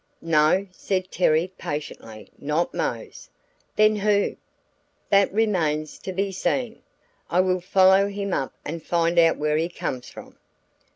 "No," said Terry, patiently, "not Mose." "Then who?" "That remains to be seen. I will follow him up and find out where he comes from."